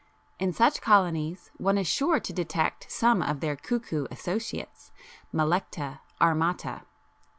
In such colonies one is sure to detect some of their cuckoo associates, Melecta armata (pl.